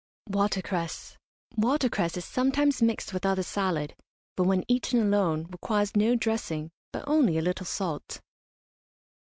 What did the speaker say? WATER CRESS. Water cress is sometimes mixed with other salad, but when eaten alone requires no dressing, but only a little salt.